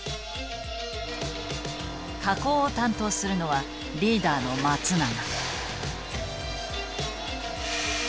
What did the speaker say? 加工を担当するのはリーダーの松永。